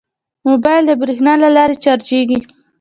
موبایل د بریښنا له لارې چارجېږي.